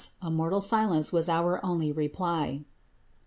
a aortal silence was our only reply."